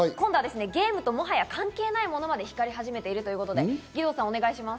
ゲームとは関係ないものまで光り始めてるということで義堂さん、お願いします。